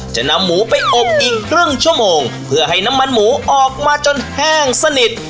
จะนำหมูไปอบอีกครึ่งชั่วโมงเพื่อให้น้ำมันหมูออกมาจนแห้งสนิท